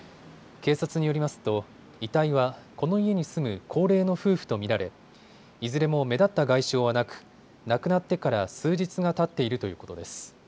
警察によりますと遺体はこの家に住む高齢の夫婦と見られ、いずれも目立った外傷はなく亡くなってから数日がたっているということです。